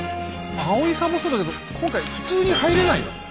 青井さんもそうだけど今回普通に入れないの？